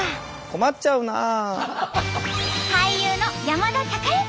困っちゃうなあ。